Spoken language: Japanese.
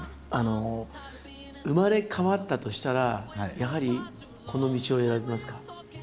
生まれ変わったとしたらやはりこの道を選びますか？